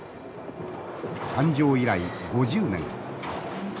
誕生以来５０年